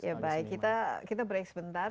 ya baik kita break sebentar